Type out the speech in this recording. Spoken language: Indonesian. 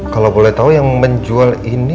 kalau boleh tahu yang menjual ini